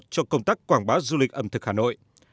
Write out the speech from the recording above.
cho công tác quảng bá du lịch ẩm thực hà nội